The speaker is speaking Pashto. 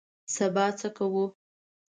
سبا څه کوو؟